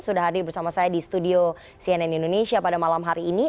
sudah hadir bersama saya di studio cnn indonesia pada malam hari ini